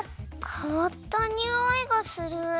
かわったにおいがする。